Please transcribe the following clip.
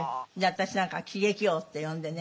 私なんか喜劇王って呼んでね